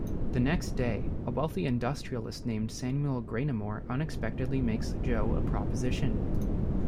The next day, a wealthy industrialist named Samuel Graynamore unexpectedly makes Joe a proposition.